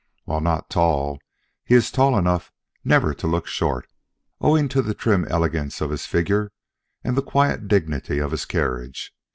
While not tall, he is tall enough never to look short, owing to the trim elegance of his figure and the quiet dignity of his carriage.